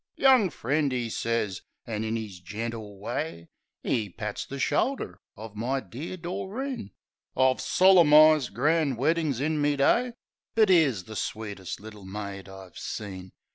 "Young friend," 'e sez. An' in 'is gentle way, 'E pats the shoulder of my dear Doreen. "I've solem'ized grand weddin's in me day. But 'ere's the sweetest little maid I've seen.